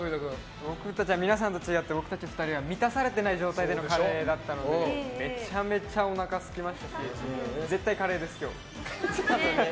僕たち２人は皆さんと違って満たされてない状態でのカレーだったのでめちゃめちゃおなかすきましたし絶対カレーです、今日。